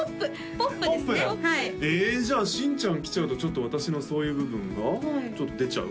ポップですねえじゃあ新ちゃん来ちゃうとちょっと私のそういう部分がちょっと出ちゃう？